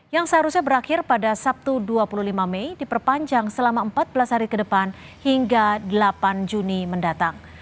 yang seharusnya berakhir pada sabtu dua puluh lima mei diperpanjang selama empat belas hari ke depan hingga delapan juni mendatang